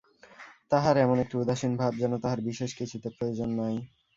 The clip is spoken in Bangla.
তাহার এমন একটি উদাসীন ভাব, যেন তাহার বিশেষ কিছুতে প্রয়োজন নাই।